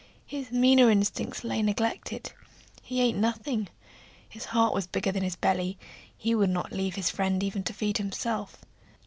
His meaner instincts lay neglected; he ate nothing; his heart was bigger than his belly; he would not leave his friend even to feed himself.